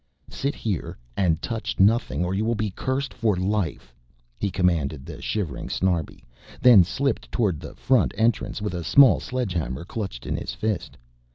"Sit here and touch nothing or you will be cursed for life," he commanded the shivering Snarbi, then slipped towards the front entrance with a small sledge hammer clutched in his fist.